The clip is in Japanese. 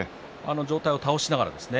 上体を倒しながらですね。